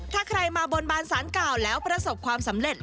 ถ้าใครมาบนบานสารเก่าแล้วประสบความสำเร็จ